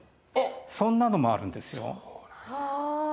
そんなのもあるんですよ。